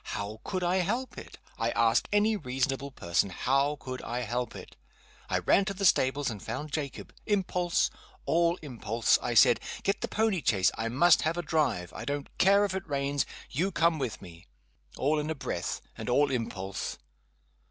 How could I help it? I ask any reasonable person how could I help it? I ran to the stables and found Jacob. Impulse all impulse! I said, 'Get the pony chaise I must have a drive I don't care if it rains you come with me.' All in a breath, and all impulse!